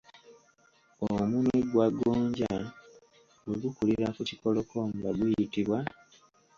Omunwe gwa gonja bwe gukulira ku kikolokomba guyitibwa?